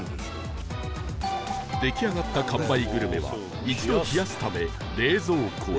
出来上がった完売グルメは一度冷やすため冷蔵庫へ